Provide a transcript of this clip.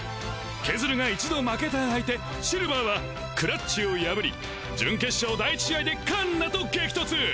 ケズルが１度負けた相手シルヴァーはクラっちを破り準決勝第１試合でカンナと激突ぅ！